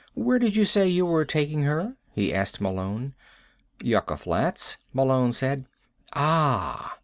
"Where did you say you were taking her?" he asked Malone. "Yucca Flats," Malone said. "Ah."